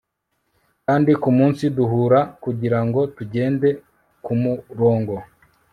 kandi kumunsi duhura kugirango tugende kumurongo